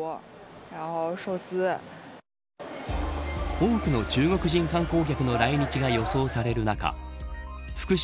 多くの中国人観光客の来日が予想される中福島